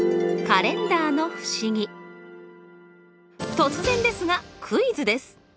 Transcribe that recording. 突然ですがクイズです！